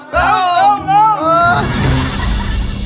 เก้าเก้า